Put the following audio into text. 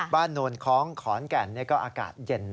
บ้านโนรคองของขอนแก่นก็อากาศเย็น